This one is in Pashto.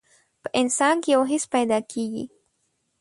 په انسان کې يو حس پيدا کېږي.